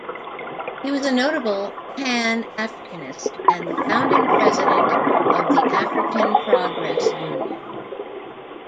He was a notable Pan-Africanist and the founding president of the African Progress Union.